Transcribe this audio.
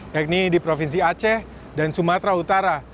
yakni di provinsi aceh dan sumatera utara